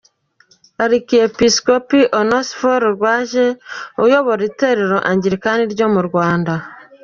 ArchBishop Onesphore Rwaje uyobora Itorero Angilikani ryo mu Rwanda.